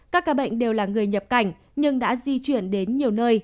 các ca bệnh đều là người nhập cảnh nhưng đã di chuyển đến nhiều nơi